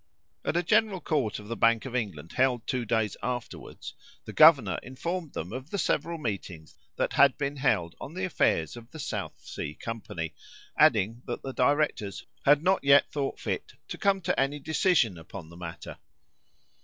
At a general court of the Bank of England held two days afterwards, the governor informed them of the several meetings that had been held on the affairs of the South Sea company, adding that the directors had not yet thought fit to come to any decision upon the matter.